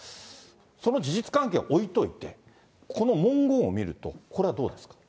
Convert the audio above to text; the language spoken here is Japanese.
その事実関係は置いといて、この文言を見ると、これはどうですか。